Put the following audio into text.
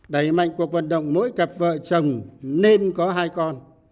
đẩy mạnh cuộc vận động mỗi cặp vợ chồng nên có hai con